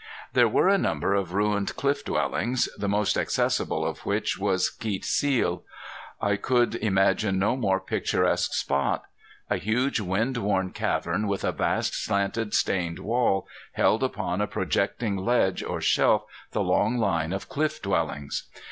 There were a number of ruined cliff dwellings, the most accessible of which was Keet Seel. I could imagine no more picturesque spot. A huge wind worn cavern with a vast slanted stained wall held upon a projecting ledge or shelf the long line of cliff dwellings.